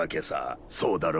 そうだろ？